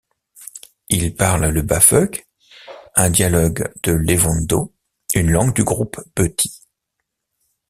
Ils parlent le bafeuk, un dialecte de l'ewondo, une langue du groupe beti.